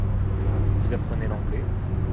Vous apprenez l’anglais ?